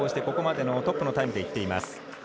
ここまでのトップのタイムできています。